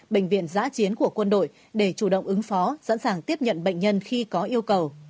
bệnh viện giã chiến của quân đội để chủ động ứng phó sẵn sàng tiếp nhận bệnh nhân khi có yêu cầu